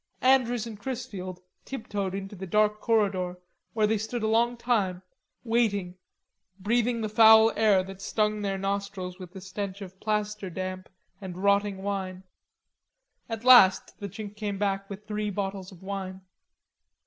Andrews and Chrisfield tiptoed into the dark corridor, where they stood a long time, waiting, breathing the foul air that stung their nostrils with the stench of plaster damp and rotting wine. At last the Chink came back with three bottles of wine.